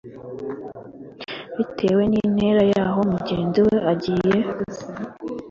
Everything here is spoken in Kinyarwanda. bitewe n'intera y'aho umugenzi agiye.